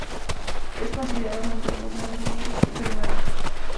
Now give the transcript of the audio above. Es considerado entre los nuevos líderes peruanos.